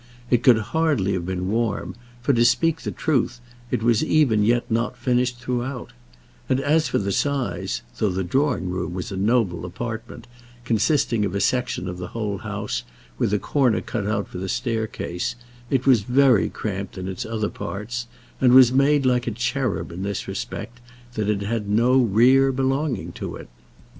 It could hardly have been warm, for, to speak the truth, it was even yet not finished throughout; and as for the size, though the drawing room was a noble apartment, consisting of a section of the whole house, with a corner cut out for the staircase, it was very much cramped in its other parts, and was made like a cherub, in this respect, that it had no rear belonging to it.